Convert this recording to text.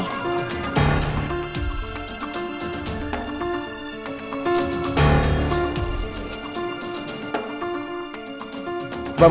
renna kemana lagi